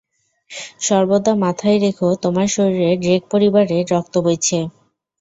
সর্বদা মাথায় রেখো, তোমার শরীরে ড্রেক পরিবারের রক্ত বইছে।